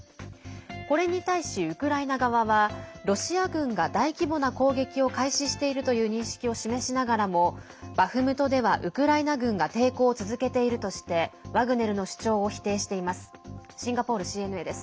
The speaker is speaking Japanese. これに対しウクライナ側はロシア軍が大規模な攻撃を開始しているという認識を示しながらもバフムトではウクライナ軍が抵抗を続けているとしてワグネルの主張を否定しています。